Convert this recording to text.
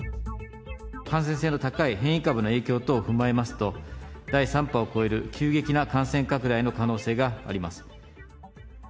感染性の高い変異株の影響等を踏まえますと、第３波を超える急激な感染拡大の可能性があります。